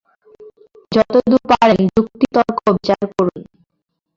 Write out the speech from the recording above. যতদূর পারেন, যুক্তি-তর্ক-বিচার করুন।